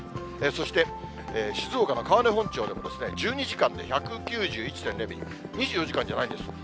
そして静岡の川根本町でも、１２時間で１９１．０ミリ、２４時間じゃないんです。